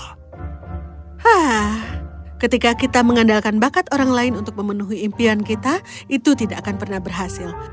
hah ketika kita mengandalkan bakat orang lain untuk memenuhi impian kita itu tidak akan pernah berhasil